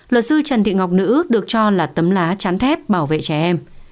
luật sư trần tị ngọc nữ được cho là tấm lá chán thép bảo vệ trẻ em